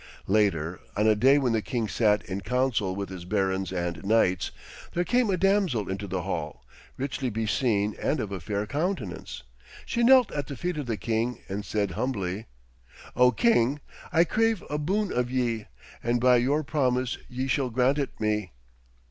Later, on a day when the king sat in council with his barons and knights, there came a damsel into the hall, richly beseen and of a fair countenance. She knelt at the feet of the king, and said humbly: 'O king, I crave a boon of ye, and by your promise ye shall grant it me.'